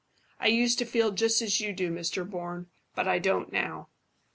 I used to feel just as you do, Mr Bourne; but I don't now."